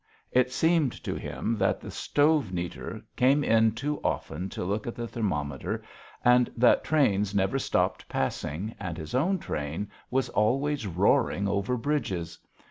It seemed to him that the stove neater came in too often to look at the thermometer, and that trains never stopped passing and his own train was always roaring over bridges.